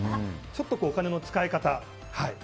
ちょっとお金の使い方。